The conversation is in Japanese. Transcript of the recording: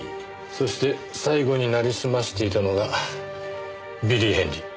そして最後に成りすましていたのがビリー・ヘンリー。